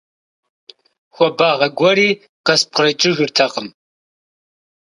Хуабагъэ гуэри къыспкърыкӀыжыртэкъым.